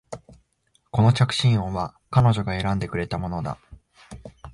この着信音は彼女が選んでくれたものだ